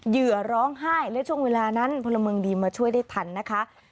เหยื่อร้องไห้และช่วงเวลานั้นพลเมืองดีมาช่วยได้ทันนะคะ